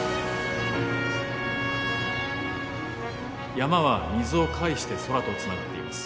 山は水を介して空とつながっています。